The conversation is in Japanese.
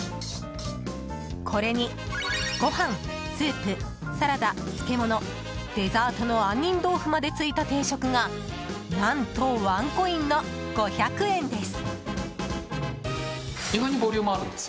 これにご飯、スープ、サラダ、漬物デザートの杏仁豆腐までついた定食が何とワンコインの５００円です！